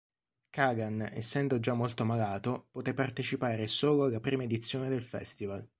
Kagan, essendo già molto malato, poté partecipare solo alla prima edizione del festival.